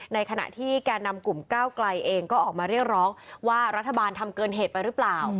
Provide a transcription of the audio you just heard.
ในขณะที่แก่นำกลุ่มก้าวไกลเองก็ออกมาเรียกร้องว่ารัฐบาลทำเกินเหตุไปหรือเปล่า